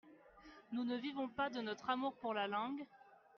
Nous ne vivons pas de notre amour pour la langue.